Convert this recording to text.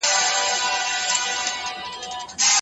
په لیکلو کي معلومات تر اورېدلو ښه خوندي کېږي.